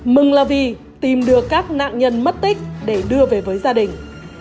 mừng là vì tìm được các nạn nhân mất tích để đưa về với gia đình